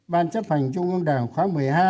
ban chấp hành trung ương đảng khóa một mươi hai